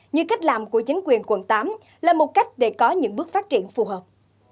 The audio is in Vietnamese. như cách làm của chính quyền quận tám là một cách để có những bước phát triển phù hợp